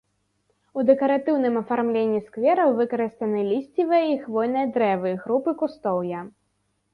У дэкаратыўным афармленні сквераў выкарыстаны лісцевыя і хвойныя дрэвы, групы кустоўя.